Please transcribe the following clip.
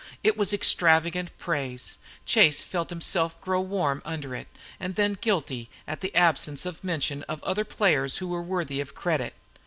It was extravagant praise. Chase felt himself grew warm under it, and then guilty at the absence of mention of other players who were worthy of credit.